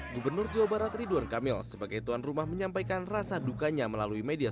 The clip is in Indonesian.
gubernur jawa barat ridwan kamil sebagai tuan rumah menyampaikan rasa dukanya melalui media